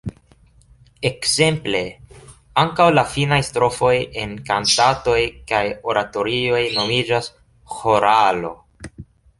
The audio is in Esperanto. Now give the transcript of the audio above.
Ekzemple ankaŭ la finaj strofoj en kantatoj kaj oratorioj nomiĝas „ĥoralo“.